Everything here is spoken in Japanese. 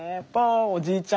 おじいちゃん